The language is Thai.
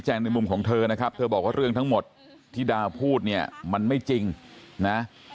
ในมุมของเธอนะครับเธอบอกว่าเรื่องทั้งหมดที่ดาวพูดเนี่ยมันไม่จริงนะ